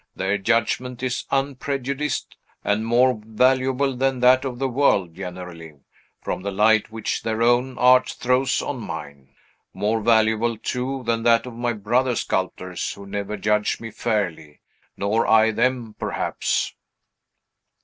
Their judgment is unprejudiced, and more valuable than that of the world generally, from the light which their own art throws on mine. More valuable, too, than that of my brother sculptors, who never judge me fairly, nor I them, perhaps."